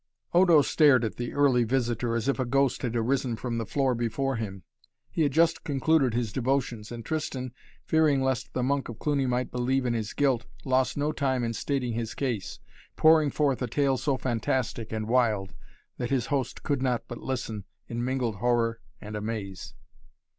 Odo stared at the early visitor as if a ghost had arisen from the floor before him. He had just concluded his devotions and Tristan, fearing lest the Monk of Cluny might believe in his guilt, lost no time in stating his case, pouring forth a tale so fantastic and wild that his host could not but listen in mingled horror and amaze.